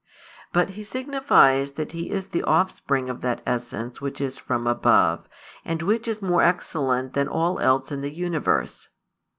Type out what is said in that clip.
But He signifies that He is the Offspring of that essence which is from above, and which is more excellent than all else in the universe.